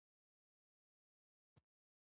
ابن بطوطه له کفارو سره مخامخ کیږي.